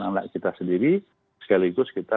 anak kita sendiri sekaligus kita